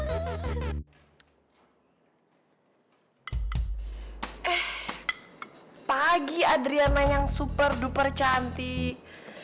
eh pagi adriana yang super super cantik